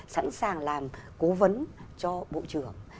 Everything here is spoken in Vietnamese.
sẵn sàng làm cố vấn cho bộ trưởng